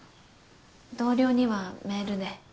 同僚にはメールで。